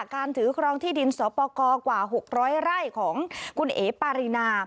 การถือครองที่ดินสปกรกว่า๖๐๐ไร่ของคุณเอ๋ปารีนา